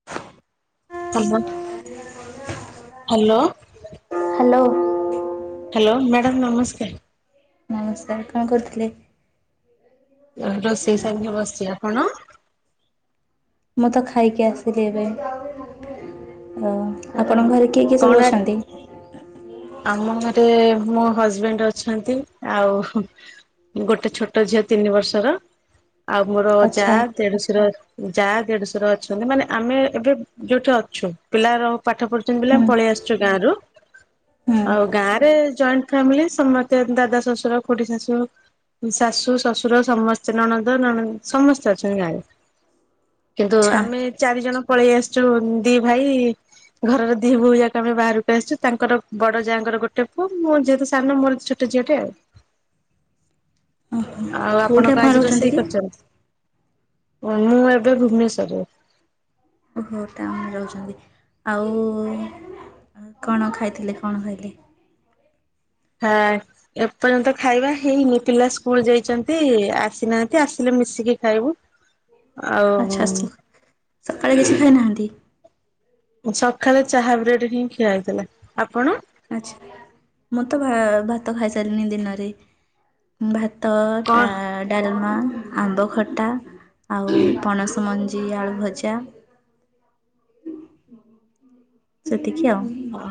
[unintelligible] [inaudible] Hello. Hello. Hello, madam ନମସ୍କାର। ନମସ୍କାର, କଣ କରୁଥିଲେ? ରୋଷେଇ ସାରିକି ବସଚି। ଆପଣ? ମୁଁ ତ ଖାଇକି ଆସିଲି ଏବେ। ଆ-ଆପଣଙ୍କ ଘରେ କିଏ କିଏ କଣ ସବୁ ଅଛନ୍ତି? ଆମ ଘରେ ମୋ ହଜ୍ ବେଣ୍ଟ ଅଛନ୍ତି, ଆଉ ହୁଁ ଗୋଟେ ଛୋଟ ଝିଅ ତିନି ବର୍ଷର, ଆଉ ମୋର ଯା, ଆଚ୍ଛା ଦେଢ଼ଶୁର ଯା, ଦେଢଶୁର ଅଛନ୍ତି, ମାନେ ଆମେ ଏବେ ଯୋଉଠି ଅଛୁ, ପିଲାର ପାଠ ପଢ଼ୁଚନ୍ତି ବୋଲି, ହୁଁ ଆମେ ପଳେଇ ଆସଚୁ ଗାଁରୁ। ହୁଁ ଆଉ ଗାଁରେ ଜଏଣ୍ଟ୍ ଫ୍ୟାମିଲି, ସମସ୍ତେ ଦାଦା ଶ୍ୱଶୁର, ଖୁଡ଼ୀ ଶାଶୁ ଶାଶୁ, ଶ୍ୱଶୁର ସମସ୍ତେ ନଣନ୍ଦ, ନଣ ସମସ୍ତେ ଅଛନି ଗାଁରେ। କିନ୍ତୁ, ଆଚ୍ଛା ଆମେ ଚାରି ଜଣ ପଳେଇ ଆସିଚୁ ଦି ଭାଇ-ଇ, ଘରର ଦି‌ ବୋହୂ ଯାକ ଆମେ ବାହାରକୁ ଆସିଚୁ ତାଙ୍କର ବଡ଼ ଯାଆଙ୍କର ଗୋଟେ ପୁଅ ମୁଁ ଯେହେତୁ ସାନ ମୋର ଛୋଟ ଝିଅଟେ ଆଉ। ଓହୋ ଆଉ କୋଉଠି ଆପଣ କଣ ଆଜି ରହୁଛନ୍ତି ରୋଷେଇ କି? କରିଚନ୍ତି? ମୁଁ ଏବେ ଭୁବନେଶ୍ବରରେ। ଓହୋ ଟାଉନରେ ରହୁଛନ୍ତି ଆଉ କଣ ଖାଇଥିଲେ କଣ ଖାଇଲେ? ହଁ। [inaudible] ଏପର୍ଯ୍ୟନ୍ତ ଖାଇବା ହେଇନି ପିଲା ସ୍କୁଲ ଯାଇଚନ୍ତି। ଆସିନାହାନ୍ତି ଆସିଲେ ମିଶିକି ଖାଇବୁ। ଆଉ ଆଚ୍ଛା ଆସୁ ସକାଳେ କିଛି ଖାଇନାହାନ୍ତି? ସକାଳେ ଚାହା ବ୍ରେଡ ହିଁ ଖିଆ ହେଇଥିଲା ଆପଣ? ଆଛା ମୁଁ ତ ଭା-ଭାତ ଖାଇସାରିଲିଣି ଦିନରେ। ଭାତ ଟା କଣ ଡାଲମା ଆମ୍ବ ଖଟା ଆଉ ପଣସ ମଞ୍ଜି ଆଳୁଭଜା। ସେତିକି ଆଉ। ଓ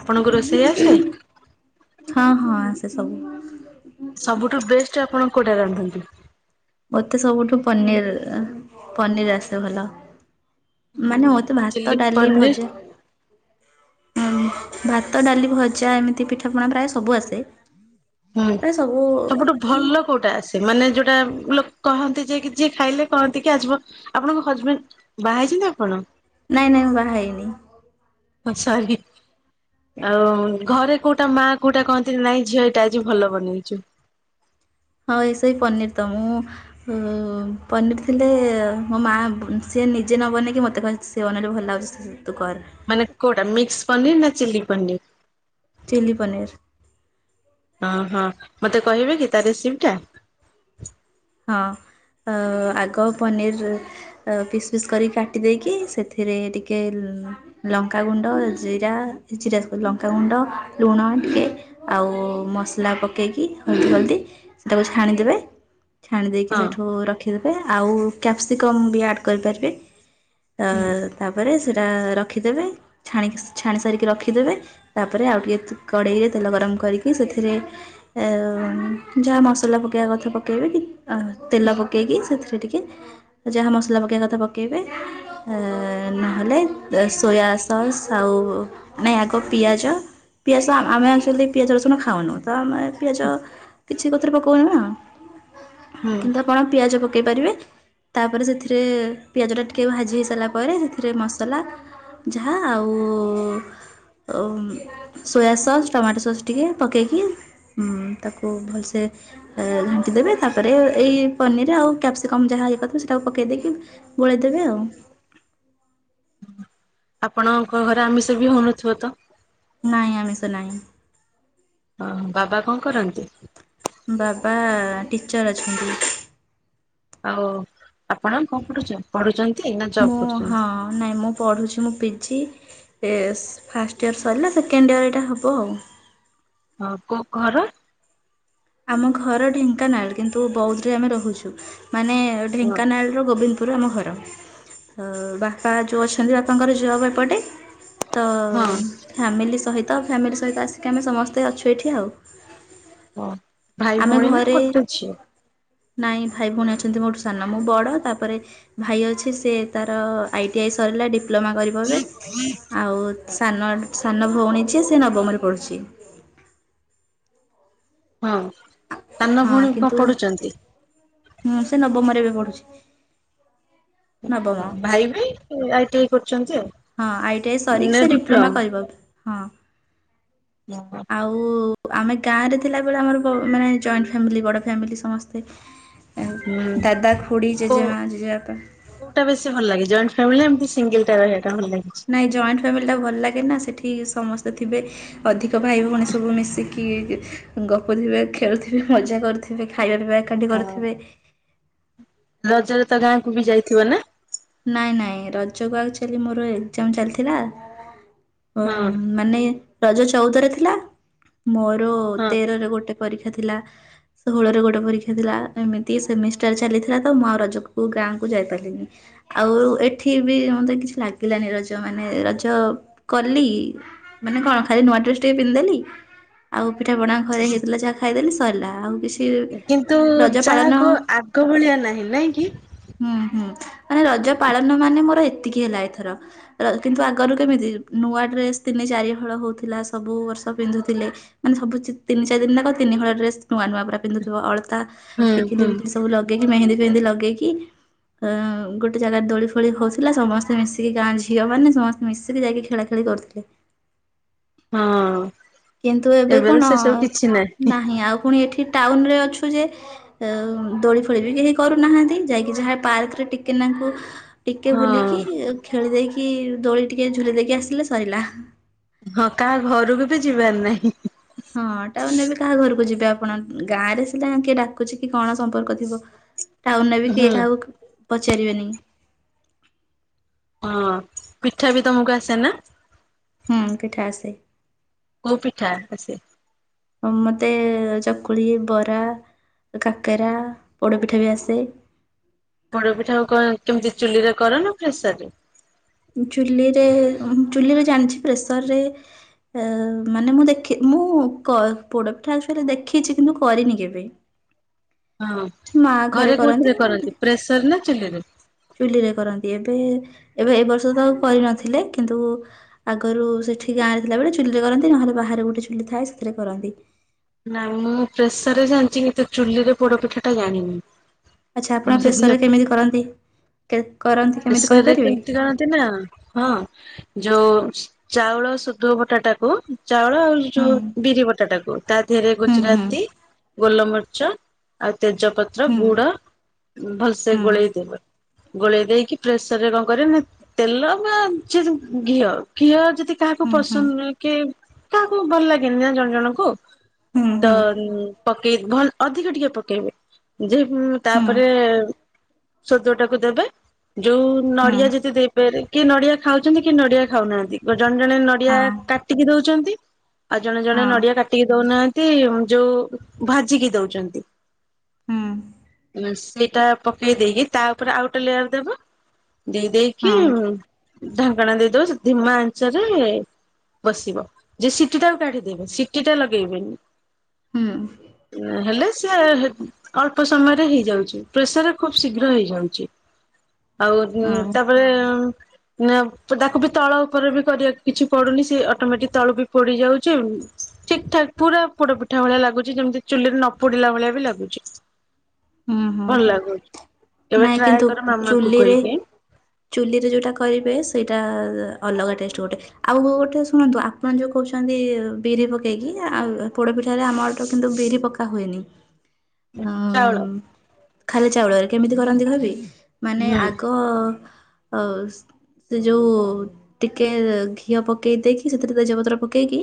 ଆପଣଙ୍କୁ ରୋଷେଇ ଆସେ? ହଁ ହଁ ଆସେ ସବୁ। ସବୁଠୁ ବେଷ୍ଟ ଆପଣ କୋଉଟା ରାନ୍ଧନ୍ତି? ମତେ ସବୁଠୁ ପନିର୍ ପନିର୍ ଆସେ ଭଲ। ମାନେ ମତେ ଚିଲି ଭାତ ଡା଼ଲି ପନିର ଭଜା ହଁ ଭାତ ଡ଼ାଲି ଭଜା ଏମିତି ପିଠାପଣା ପ୍ରାୟ ସବୁ ଆସେ। ହୁଁ ପ୍ରାୟ ସବୁ ସବୁଠୁ ଭଲ କୋଉଟାସେମାନେ ଯୋଉଟା ଲୋକ କହନ୍ତି ଯେ ଯିଏ ଖାଇଲେ କହନ୍ତି କି ଆଜିଵ ଆପଣଙ୍କ ହଜବେଣ୍ଡ ବାହାହେଛନ୍ତି ଆପଣ। ନାଇଁ ନାଇଁ ମୁଁ ବାହା ହେଇନି। ହଁ ସରି। ଆଉ ଘରେ କୋଉଟା ମା କୋଉଟା କହନ୍ତି ନାଇଁ ଝିଅ ଏଇଟା ଆଜି ଭଲ ବନେଇଛୁ। ହଁ ସେଇ ପାନୀର ତ ମୁଁ ପନିର ଥିଲେ ମୋ ମା ସିଏ ନିଜେ ନ ବନେଇକି ମୋତେ କହେ ସିଏ ବନେଇଲେ ଭଲ ଲାଗୁଚି ତୁ କର। ମାନେ କୋଉଟା ମିକ୍ସ ପନିର ନା ଚିଲ୍ଲି ପନିର। ଚିଲ୍ଲୀ ପନୀର୍। ଓହୋ ମତେ କହିବେ କି ତା ରେସିପିଟା? ହଁ ଆଗ ପନିର୍ ପିସ୍ ପିସ୍ କରିକି କାଟି ଦେଇେଇକି ସେଥିରେ ଟିକେ ଲଙ୍କାଗୁଣ୍ଡ ଜିରା ଜିରା ଲଙ୍କାଗୁଣ୍ଡ ଲୁଣ ଟିକେ ଆଉ ମସଲା ପକେଇକି ହଳଦୀ ହଳଦୀ ସେଟାକୁ ଛାଣିଦେବେ। ଛାଣି ଦେଇେଇକି ହଁ ସେଇଠୁ ରଖିଦେବେ ଆଉ କ୍ୟାପ୍ସିକମ୍ ବି ଆଡ଼୍ କରିପାରିବେ। ତ ହୁଁ ତାପରେ ସେଇଟା ରଖିଦେବେ। ଛାଣି ଛାଣି ସାରିକି ରଖିଦେବେ ତାପରେ ଆଉ ଟିକେ କଡ଼େଇରେ ତେଲ ଗରମ କରିକି ସେଥିରେ ଯାହା ମସଲା ପକେଇବା କଥା ପକେଇବେ କି ତେଲ ପକେଇକି ସେଥିରେ ଟିକେ ଯାହା ମସଲା ପକେଇବା କଥା ପକାଇବେ ନହେଲେ ସୋୟା ସସ୍ ଆଉ ନାଇଁ ଆଗ ପିଆଜ ପିଆଜ ଆମେ ଆଚୁଲି ପିଆଜ ରସୁଣ ଖାଉନୁ ତ ଆମେ ପିଆଜ କିଛି କଥରେ [inaudible] ପକଉନୁ ନା ହୁଁ। କିନ୍ତୁ ଆପଣ ପିଆଜ ପକାଇ ପାରିବେ। ତାପରେ ସେଥିରେ ପିଆଜଟା ଟିକିେ ଭାଜି ହେଇସାରିଲା ପରେ ସେଥିରେ ମସଲା ଯାହା ଆଉ ସୋୟା ସସ୍ ଟମାଟୋ ସସ୍ ଟିକେ ପକେଇକି ତାକୁ ଭଲସେ ଘାଣ୍ଟି ଦେବେ ତାପରେ ଏଇ ପନିର୍ ଆଉ କ୍ୟାପ୍ସିକମ୍ ଯାହା ହେକାଥିବ ସେଇଟାକୁ ପକାଇ ଦେଇକି ଗୋଳାଇଦେବେ ଆଉ ଆପଣଙ୍କ ଘରେ ଆମିଷ ବି ହଉନଥିବ ତ? ନାଇଁ ଆମିଷ ନାହିଁ। ଓହୋ ବାବା କଣ କରନ୍ତି? ବାବା ଟିଚର୍ ଅଛନ୍ତି। ଆଉ ଆପଣ କଣ ପଢୁଛ? ପଢୁଛନ୍ତି ନା ଜବ୍ ମୁଁ ହଁ କରୁଛନ୍ତି? ନାଇଁ ମୁଁ ପଢୁଛି ମୁଁ ପିଜି ଏ ଫାଷ୍ଟ ଇୟର୍ ସରିଲା ସେକେଣ୍ଡ ଇୟର୍ ଏଇଟା ହେବ ଆଉ। ହଁ [unintelligible] ଘର। ଆମ ଘର ଢେଙ୍କାନାଳ କିନ୍ତୁ ବୌଦ୍ଧରେ ଆମେ ରହୁଛୁ ମାନେ ହଁ ଢେଙ୍କାନାଳ ପାଟ ଗୋବିନ୍ଦପୁର ଆମ ଘର ବାପା ଯୋଉ ଅଛନ୍ତି ବାପାଙ୍କର ଜବ୍ ଏପଟେ ତ ହଁ ଫ୍ୟାମିଲି ସହିତ ଫ୍ୟାମିଲି ସହିତ ଆସିକି ଆମେ ସମସ୍ତେ ଅଛୁ ଏଇଠି ଆଉ। ହଁ ଭାଇ ଆମେ ଭଉଣୀ ନା ଘରେ [unintelligible] ନାଇଁ ଭାଇ ଭଉଣୀ ଅଛନ୍ତି ମୋଠୁ ସାନ ମୁଁ ବଡ଼ ତାପରେ ଭାଇ ଅଛି ସେ ତାର ଆଇଟି ଆଇ ସରିଲା ଡିପ୍ଲୋମା କରି ବ ଏବେ ଆଉ ସାନ ସାନ ଭଉଣୀ ଯିଏ ସେ ନବମରେ ପଡ଼ୁଛି ହଁ। ସାନ ହଁ ଭଉଣୀ କଣ କିନ୍ତୁ ପଢୁଛନ୍ତି? ହଁ ସେ ନବମରେ ଏବେ ପଢୁଛି। ଓ ହ ଭାଇ ବି ଆଇଟିଆଇ କରୁଛନ୍ତି ଆଉ। ହଁ ଆଇଟି ଆଇ ସରିକି ସେ ଡିପ୍ଲୋମା କରିବ ଏବେ ହଁ। ହୁଁ। ଆଉ ଆମେ ଗାଁରେ ଥିଲାବେଳେ ଆମର ମାନେ ଜଏଣ୍ଟ୍ ଫ୍ୟାମିଲି ବଡ଼ ଫ୍ୟାମିଲି ସମସ୍ତେ ହୁଁ ଦାଦା ଖୁଡ଼ି ଜେଜେମା ଜେଜେବାପା କଉଟା ବେଶୀ ଭଲ ଲାଗେ ଜଏଣ୍ଟ ଫ୍ୟାମିଲି ଏମିତି ସିଙ୍ଗିଲି ଟା ରହିବାଟା ଭଲ ଲାଗୁଛି? ନାହିଁ ଜଏଣ୍ଟ ଫ୍ୟାମିଲିଟା ଭଲ ଲାଗେ ନା ସେଠି ସମସ୍ତେ ଥିବେ। ଅଧିକ ଭାଇ ଭଉଣୀ ସବୁ ମିଶିକି ଗପୁଥିବେ ଖେଳୁଥିବେ ମଜା କରୁଥିବେ ଖାଇବାର ଏକାଠି ହଁ। କରୁଥିବେ। ରଜରେ ତ ଗାଁକୁ ବି ଯାଇଥିବ ନା? ନାଇଁ ନାଇଁ ରଜକୁ ଆକଚୁଆଲ୍ଲୀ ମୋର ଏକ୍ଜାମ୍ ଚାଲିଥିଲା ହଁ ମାନେ ରଜ ଚଉଦରେ ଥିଲା ମୋର ହଁ। ତେରରେ ଗୋଟେ ପରୀକ୍ଷା ଥିଲା। ଷୋହଳରେ ଗୋଟେ ପରୀକ୍ଷା ଥିଲା ଏମିତି ସେମିଷ୍ଟାର ଚାଲିଥିଲା ତ ମୁଁ ରଜକୁ ଗାଁକୁ ଯାଇପାରିଲିନି। ଆଉ ଏଠି ବି ମତେ କିଛି ଲାଗିଲାନି ରଜ ମାନେ ରଜ କଲି ମାନେ କଣ ଖାଲି ନୂଆ ଡ୍ରେସ ଟିକେ ପିନ୍ଧିଦେଲି ଆଉ ପିଠା ପଣା ଘରେ ହେଇଥିଲା ଯାହା ଖାଇଦେଲି ସରିଲା ଆଉ କିଛି କିନ୍ତୁ ରଜ ଯାହାକୁହ ପାଳନ ଆଗ ଭଳିଆ ନାହିଁ ନାଇଁ କି? ହୁଁ ହୁଁ ମାନେ ରଜ ପାଳନ ମାନେ ମୋର ଏତିକି ହେଲା ଏଥର। କିନ୍ତୁ ଆଗରୁ କେମିତି ନୂଆ ଡ୍ରେସ୍ ତିନି ଚାରି ହଳ ହଉଥିଲା ସବୁ ବର୍ଷ ପିନ୍ଧୁଥିଲେ ମାନେ ସବୁ ତିନି ଚାରି ଦିନ ଯାକ ତିନିହଳ ଡ୍ରେସ ନୂଆ ନୂଆ ପୁରା ପିନ୍ଧୁଥିବ ଅଳତା ତା ହୁଁ ଟିକିଲି ହୁଁ ଫିକିଲି ସବୁ ଲଗେଇକି ମେହେନ୍ଦି ଫେହେନ୍ଦି ଲଗେଇକି ଅ ଗୋଟେ ଜାଗାରେ ଦୋଳି ଫୋଳି ହଉଥିଲା ସମସ୍ତେ ମିଶିକି ଗାଁ ଝିଅମାନେ ସମସ୍ତେ ମିଶିକି ଯାଇକି ଖେଳା ଖେଳି କରୁଥିଲେ। ହଁ। କିନ୍ତୁ ଏବେ ତ କଣ ସେ ସବୁ କିଛି ନାହିଁ ଆଉ ପୁଣି ଏଠି ଟାଉନ ରେ ଅଛୁ ଯେ ଅ-ଅ-ଉ ଦୋଳି ଫୋଳି ବି କେହି କରୁନାହାନ୍ତି ଯାଇକି ଯାହା ପାର୍କ ରେ ଟିକେନାଙ୍କୁ ଟିକେ ହଁ ବୁଲିକି ଖେଳି ଦେଇକି ଦୋଳି ଟିକେ ଝୁଲି ଦେଇକି ଆସିଲେ ସରିଲା। ହଁ କାହା ଘରକୁ ବି ଯିବାରି ନାହିଁ-ହିଁ ହଁ ଟାଉନ୍ ରେ ବି କାହା ଘରକୁ ଯିବେ ଆପଣ ଗାଁ ରେ ସିନା କିଏ ଡାକୁଚି କି କଣ ସମ୍ପର୍କ ଥିବ। ଟାଉନ୍ ବି କିଏ ହୁଁ କାହାକୁ ପଚାରିବେନି। ହଁ ପିଠା ବି ତମକୁ ଆସେ ନା? ହୁଁ ପିଠା ଆସେ। କୋଉ ପିଠା ଆସେ? ମତେ ଚକୁଳି, ବରା କାକେରା, ପୋଡ଼ପିଠା ବି ଆସେ। ପୋଡ ପିଠା କଣ କେମିତି ଚୁଲିରେ କର ନା ଫେସରରେ? ଚୁଲିରେ, ଚୁଲିରେ ଜାଣିଛି ପ୍ରେସର୍ ରେ [unintelligible] ମାନେ ମୁଁ ଦେଖି ମୁଁ ପୋଡପିଠା ଆକ୍ଚୁଆଲି ଦେଖିଛି କିନ୍ତୁ କରିନି କେବେ। ହଁ ମା ଘରେ କୋଉଥିରେ ମୁଁ ଦେ କରନ୍ତି ପ୍ରେସର୍ ରେ ନା ଚୁଲିରେ? ଚୁଲିରେ କରନ୍ତି ଏବେ ଏବେ ଏ ବର୍ଷ ତ ଆଉ କରିନଥିଲେ କିନ୍ତୁ ଆଗରୁ ସେଠି ଗାଁରେ ଥିଲାବେଳେ ଚୁଲିରେ କରନ୍ତି ନହେଲେ ବାହାରେ ଗୋଟେ ଚୁଲି ଥାଏ ସେଥିରେ କରନ୍ତି। ନାଇଁ ମୁଁ ପ୍ରେସର୍ ରେ ଜାଣିଛି କିନ୍ତୁ ଚୁଲିରେ ପୋଡ ପିଠାଟା ଜାଣିନି। ଆଚ୍ଛା [unintelligible] ଆପଣ ପ୍ରେସରରେ କେମିତି କରନ୍ତି? କେ କରନ୍ତି କେମିତି ପ୍ରେଶର୍ ରେ କହିପାରିବେ? କେମତି କରନ୍ତି ନା? ହଁ ଯୋଉ ଚାଉଳ ସୁଧୁ ବଟାଟା କୁ ଚାଉଳ ଆଉ ହୁଁ ଯୋଉ ବିରି ବଟା ଟାକୁ ତା ଦେହରେ ହୁଁ ହୁଁ ଗୁଜୁରାତି ଗୋଲ ମରିଚ, ଆଉ ତେଜପତ୍ର ହୁଁ ଗୁଡ଼ ଭଲ୍ ସେ ଗୋଳେଇ ହୁଁ। ଦେବେ। ଗୋଳେଇ ଦେଇକି ପ୍ରେସର୍ ରେ କଣ କରିବେ ନା ତେଲ ବା ଘିଅ, ଘିଅ ତି କାହାକୁ ହୁଁ ହୁଁ ପସନ୍ଦ କି କାହାକୁ ଭଲ ଲାଗେନି ନା ଜଣେ ଜଣଙ୍କୁ ହୁଁ ତ ପକେଇ ଭଲ୍ ଅଧିକ ଟିକେ ପକେଇବେ ଯେ ହୁଁ ତାପରେ ସୋଦୁଅଟାକୁ ଦେବେ। ଯୋଉଁ ହୁଁ ନଡିଆ ଯଦି ଦେଇପାରେ କି ନଡିଆ ଖାଉଛନ୍ତି କି ନଡିଆ ଖାଉନାହାନ୍ତି ଜଣେ ଜଣେ ନଡିଆ ହଁ କା କାଟିକି ଦୋଉଛନ୍ତି, ଆଉ ଜଣେ ଜଣେ ହଁ। ନଡିଆ କାଟି ଦଉନାହାନ୍ତି ଯୋଉ ଭାଜିକି ଦଉଚନ୍ତି। ହୁଁ। ସେଇଟା ପକେଇ ଦେଇକି ତା ଉପରେ ଆଉ ଗୋଟେ ଲେୟାର ଦେବ ଦେଇ ଦେଇକି ହଁ ଢାଙ୍କଣା ଦେଇଦବ ଧିମା ଆଞ୍ଚ ରେ ବସିବ, ଯେ ସିଟି ଟାକୁ କାଢିଦବେ ସିଟି ଟା ଲଗେଇବେନି। ହୁଁ। ନ ହେଲେ ସେ ଅଳ୍ପ ସମୟରେ ହେଇଯାଉଚି ପ୍ରେସର୍ ରେ ଖୁବ ଶୀଘ୍ର ହେଇଯାଉଚି, ଆଉ ହୁଁ ତା ପରେ ନା ତାକୁ ବି ତଳ ଉପରେ ବି କରିବାକୁ କିଛି ପଡୁନି ସେ ଅଟୋମେଟିକ୍ ତଳ ବି ପୋଡି ଯାଉଚି। ଠିକ୍ ଠାକ୍ ପୁରା ପୋଡ ପିଠା ଭଳିଆ ଲାଗୁଚି ଯେମିତି ଚୁଲିରେ ନ ପୋଡିଲା ଭଳିଆ ବି ଲାଗୁଚି। ହୁଁ ହୁଁ। ଭଲ୍ ଲାଗୁଚି, କେବେ ନାଇଁ କିନ୍ତୁ ଟ୍ରାଏ କର ମାମା କୁ ଚୁଲିରେ କହିକି। ଚୁଲିରେ ଯୋଉଟା କରିବେ ସେଇଟା ଅଲଗା ଟେଷ୍ଟ୍ ଗୋଟେ। ଆଉ ଗୋଟେ ଶୁଣନ୍ତୁ ଆପଣ ଯୋଉ କହୁଚନ୍ତି ବିରି ପକେଇକି ଆଉ ପୋଡ ପିଠାରେ ଆମ ଆଡେ ତ କିନ୍ତୁ ବିରି ପକା କା ହୁଏନି। ଅଁ ଚାଉଳ ଖାଲି ଚାଉଳରେ କେମିତି କରନ୍ତି କହିବି ମାନେ ହୁଁ ଆଗ ହ ଆ ସେ ଯୋଉ ଟିକେ ଘିଅ ପକେଇ ଦେଇକି ସେଥିରେ ତେଜପତ୍ର ପକେଇକି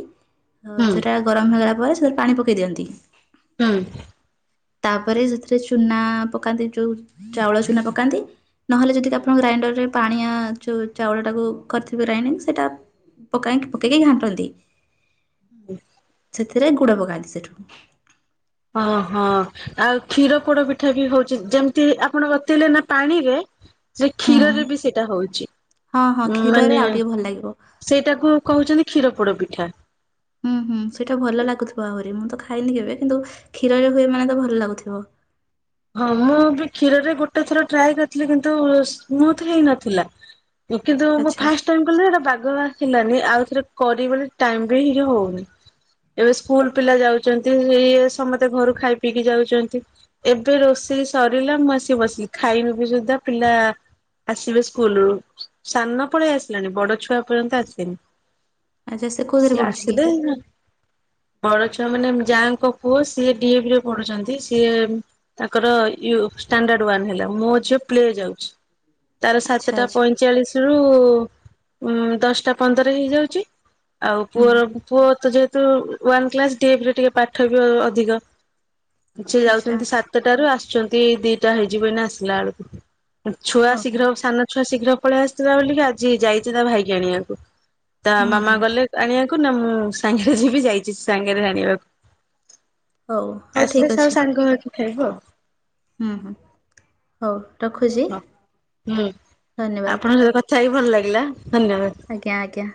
ହଁ ହୁଁ ସେଟାରେ ଗରମ ହେଲା ପରେ ସେଥିରେ ପାଣି ପକେଇ ଦିଅନ୍ତି। ହୁଁ। ତାପରେ ସେଥିରେ ଚୁନା ପକାନ୍ତି ଯୋଉ ଚାଉଳ ଚୁନା ପକାନ୍ତି ନହେଲେ ଯଦି ଆପଣ ଗ୍ରାଇଣ୍ଡରରେ ପାଣିଆ ଚୁ ଚାଉଳ ଟାକୁ କରିଥିବେ ଗ୍ରାଇଡିଙ୍ଗ୍ ସେଇଟା ପକାଇଙ୍କ୍ ପକେଇକି ଘାଣ୍ଟନ୍ତି। ଉଁ। ସେଥିରେ ଗୁଡ଼ ପକାନ୍ତି ସେଠୁ। ଅ ହ ଆଉ କ୍ଷୀର ପୋଡ ପିଠା ବି ହଉଚି ଯେମିତି ଆପଣ ବତେଇଲେ ନା ପାଣିରେ ସେ ହୁଁ। କ୍ଷୀରରେ ବି ସେଇଟା ହଉଚି ହଁ ହଁ ଉ କ୍ଷୀରରେ ମାନେ ଆଉ ଟିକେ ଭଲ ଲାଗିବ ସେଇଟାକୁ କହୁଚନ୍ତି କ୍ଷୀର ପୋଡ ପିଠା। ଉଁ ହୁଁ ସେଇଟା ଭଲ ଲାଗୁଥିବ ଆହୁରି ମୁଁ ତ ଖାଇନି କେବେ କିନ୍ତୁ କ୍ଷୀରରେ ହୁଏ ମାନେ ତ ଭଲ ଲାଗୁଥିବ। ହଁ ମୁଁ ବି କ୍ଷୀରରେ ଗୋଟେ ଥର ଟ୍ରାଏ କରିଥିଲି କିନ୍ତୁ ସ୍ମୁଥ୍ ହେଇନଥିଲା। କିନ୍ତୁ ମୁଁ ଆଚ୍ଛା ଫାଷ୍ଟ ଟାଇମ୍ କଲି ସେଟା ବାଗ ଆସିଲାନି ଆଉ ଥରେ କରିବି ବୋଲି ଟାଇମ୍ ବି ହିଁ ହଉନି। ଏବେ ସ୍କୁଲ ପିଲା ଯାଉଚନ୍ତି ଇଏ ସମସ୍ତେ ଘରୁ ଖାଇ ପିଇକି ଯାଉଚନ୍ତି। ଏବେ ରୋଷେଇ ସରିଲା ମୁଁ ଆସିିକ ବସିଲି ଖାଇନି ବି ସୁଧା ପିଲା ଆସିବେ ସ୍କୁଲରୁୁ ସାନ ପଳେଇ ଆସିଲାଣି ବଡ ଛୁଆ ଏପର୍ଯ୍ୟନ୍ତ ଆସିନି। ଆଚ୍ଛା ସେ କୋଉଥିରେ ସିଏ ପଡୁଛି କି? ଆସିଲେ ବଡ ଛୁଆ ମାନେ ଯାଙ୍କ ପୁଅ ସିଏ ଡିଏ ବି ରେ ପଢୁଚନ୍ତି ସିଏ ତାଙ୍କର ୟୁ ଷ୍ଟାଣ୍ଡାଡ୍ ୱାନ୍ ହେଲା ମୋ ଝିଅ ପ୍ଲେ ଯାଉଚି। ତାର ଆଚ୍ଛା ସାତଟା ଆଚ୍ଛା ପଇଁଚାଳିଶ ରୁ ଦଶଟା ପନ୍ଦର ହେଇଯାଉଚି। ଆଉ ହୁଁ ପୁଅର ପୁଅ ତ ଯେହେତୁ ୱାନ କ୍ଳାସ୍ ଡେଭ ର ଟିକେ ପାଠ ବି ଅଧିକ। ସେ ଆଚ୍ଛା ଯାଉଚନ୍ତି ସାତଟାରୁ ଆସୁଚନ୍ତି ଦିଟା ହେଇଯିବ ଏଇନା ଆସିଲା ବେଳକୁ। ଛୁଆ ହଉ ହଉ ଶୀଘ୍ର ସାନ ଛୁଆ ଶୀଘ୍ର ପଳେଇ ଆସିଥିଲା ବୋଲିକି ଆଜି ଯାଇଚି ତା ଭାଇକି ଆଣିବାକୁ। ତା ହୁଁ ମାମା ହୁଁ ଗଲେ ଆଣିବାକୁ ନା ମୁଁ ସାଙ୍ଗେରେ ଯିବି ଯାଇଚି ସେ ସାଙ୍ଗେରେ ଆଣିବାକୁ। ହଉ ହଉ ଠିକ୍ ଆସିଲେ ସବୁ ସାଙ୍ଗ ହେଇକି ଖାଇବୁ ଆଉ। ଉଁ ହୁଁ ହଉ ରଖୁଚି ହଁ ଧନ୍ୟବାଦ। କଥାହେଇ ଭଲ ଲାଗିଲା ଧନ୍ୟବାଦ୍। ଆଜ୍ଞା ଆଜ୍ଞା।